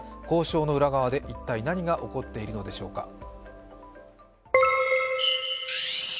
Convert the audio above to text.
交渉の裏側で一体何が起こっているのでしょうか。